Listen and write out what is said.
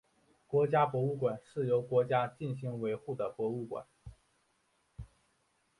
国家博物馆是由国家进行维护的博物馆。